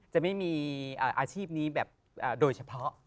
จะไม่มีอาชีพนี้แบบโดยเฉพาะ